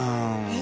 え？